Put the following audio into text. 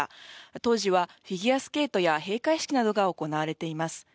当時はフィギュアスケートや閉会式などが行われています。